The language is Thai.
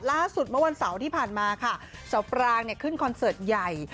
ล่าสุดเมื่อวันเสาร์ที่ผ่านมาค่ะสาวปรางเนี่ยขึ้นคอนเสิร์ตใหญ่